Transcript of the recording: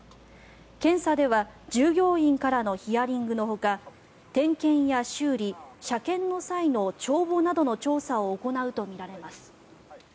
検査では従業員からのヒアリングのほか点検や修理、車検の際の帳簿などの調査を行うとみられます。